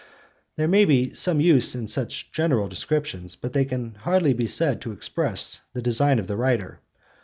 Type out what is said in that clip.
There may be some use in such general descriptions, but they can hardly be said to express the design of the writer.